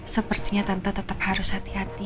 sepertinya tante tetap harus hati hati ya